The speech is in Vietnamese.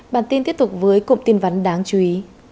bản tin tiếp tục với cụm tin vắn đáng chú ý